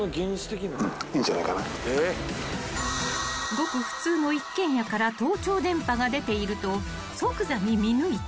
［ごく普通の一軒家から盗聴電波が出ていると即座に見抜いた］